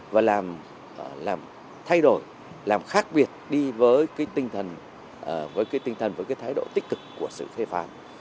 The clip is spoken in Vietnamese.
và làm thay đổi làm khác biệt đi với cái tinh thần với cái thái độ tích cực của sự phê phán